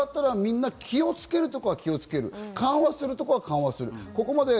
だったらみんな気をつけるところは気をつける、緩和するところは緩和する。